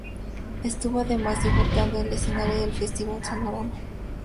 Estuvo además, debutando en el escenario del Festival Sonorama.